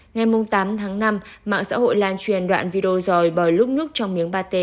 ngày tám tháng năm mạng xã hội lan truyền đoạn video dòi bò lúc nhúc trong miếng pate